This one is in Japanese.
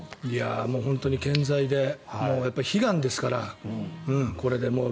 本当に健在で悲願ですから。